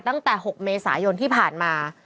ตั้งแต่๖เมษายนที่ผ่านมา